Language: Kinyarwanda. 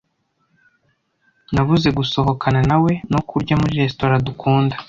Nabuze gusohokana nawe no kurya muri resitora dukunda.